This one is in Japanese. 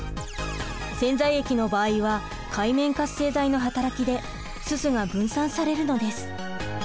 洗剤液の場合は界面活性剤の働きですすが分散されるのです。